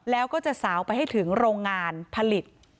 แล้วก็จะสาวไปให้ถึงโรงงานผลิต